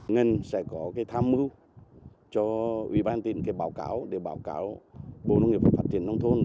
ngân sẽ có tham mưu cho ubnd báo cáo bộ nông nghiệp phát triển nông thôn